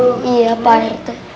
gimana iya deh pak rt hehehe